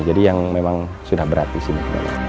jadi yang memang sudah berat di sini